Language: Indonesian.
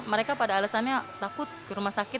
mereka pada alasannya takut ke rumah sakit